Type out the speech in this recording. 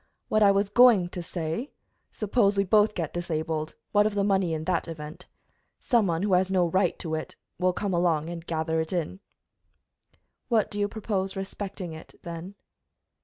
What I was going to say suppose we both get disabled, what of the money in that event? Some one who has no right to it will come along and gather it in." "What do you propose respecting it, then?"